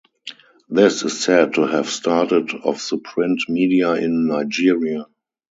This is said to have started off the print media in Nigeria.